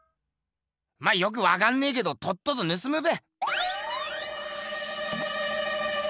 まあよくわかんねえけどとっととぬすむべ。